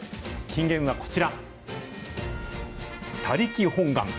金言はこちら、他力本願。